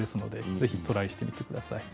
ぜひトライしてみてください。